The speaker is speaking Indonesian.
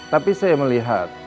tapi saya melihat